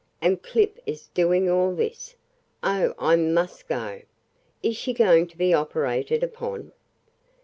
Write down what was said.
And Clip is doing all this! Oh, I must go! Is she going to be operated upon?"